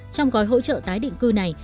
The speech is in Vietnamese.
trong gói hỗ trợ tái định cư này